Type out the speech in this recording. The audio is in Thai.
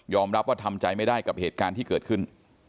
รับว่าทำใจไม่ได้กับเหตุการณ์ที่เกิดขึ้น